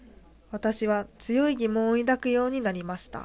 私は強い疑問を抱くようになりました。